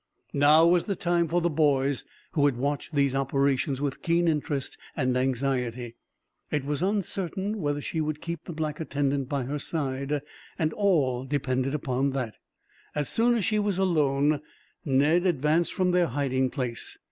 Now was the time for the boys, who had watched these operations with keen interest, and anxiety. It was uncertain whether she would keep the black attendant by her side, and all depended upon that. As soon as she was alone, Ned advanced from their hiding place.